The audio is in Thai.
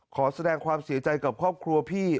ขอแสดงความเสียใจกับครอบครัวพี่